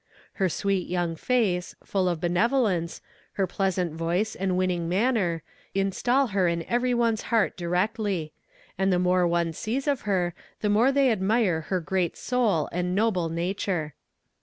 "Her sweet young face, full of benevolence, her pleasant voice and winning manner, install her in every one's heart directly; and the more one sees of her the more they admire her great soul and noble nature.